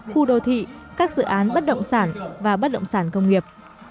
khu đô thị các dự án bất động sản và bất động sản công nghiệp